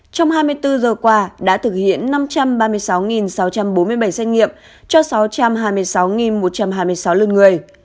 trong hai mươi bốn giờ qua đã thực hiện năm trăm ba mươi sáu sáu trăm bốn mươi bảy xét nghiệm cho sáu trăm hai mươi sáu một trăm hai mươi sáu lượt người